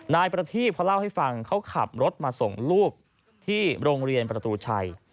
นายประทีบเขาเล่าให้ฟังเขาขับรถมาส่งลูกที่โรงเรียนประตูชัย